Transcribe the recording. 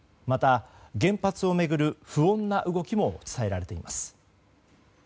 また原発を巡る不穏な動きも伝えられています。